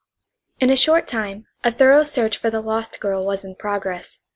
In a short time a thorough search for the lost girl was in progress.